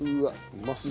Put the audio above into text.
うまそう。